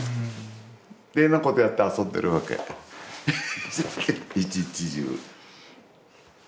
ってなことやって遊んでるわけ一日中。